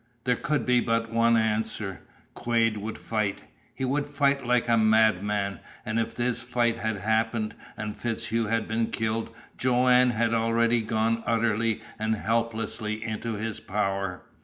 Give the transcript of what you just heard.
There could be but one answer: Quade would fight. He would fight like a madman, and if this fight had happened and FitzHugh had been killed Joanne had already gone utterly and helplessly into his power.